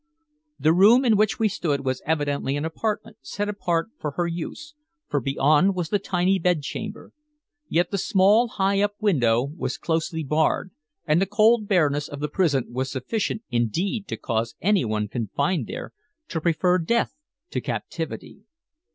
The room in which we stood was evidently an apartment set apart for her use, for beyond was the tiny bedchamber; yet the small, high up window was closely barred, and the cold bareness of the prison was sufficient indeed to cause anyone confined there to prefer death to captivity.